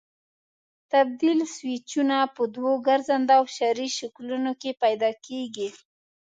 تبدیل سویچونه په دوو ګرځنده او فشاري شکلونو کې پیدا کېږي.